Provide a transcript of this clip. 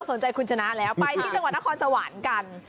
สนใจคุณชนะแล้วไปที่จังหวัดนครสวรรค์กัน